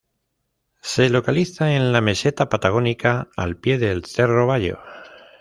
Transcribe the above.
Se localiza en la meseta patagónica, al pie del Cerro Bayo.